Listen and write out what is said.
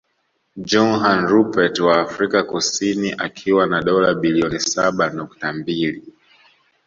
Johann Rupert wa Afrika Kusini akiwa na dola bilioni saba nukta mbili